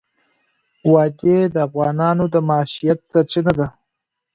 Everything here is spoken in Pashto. وادي د افغانانو د معیشت سرچینه ده.